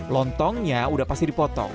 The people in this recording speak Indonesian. lontongnya udah pasti dipotong